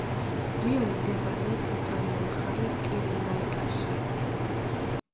რაიონი მდებარეობს ისტორიულ მხარე კირენაიკაში.